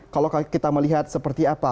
kalau kita melihat seperti apa